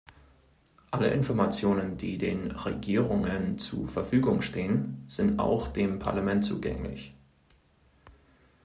Alle Informationen, die den Regierungen zu Verfügung stehen, sind auch dem Parlament zugänglich.